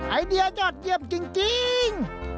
ไอเดียยอดเยี่ยมจริง